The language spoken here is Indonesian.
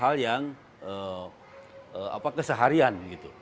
hal hal yang keseharian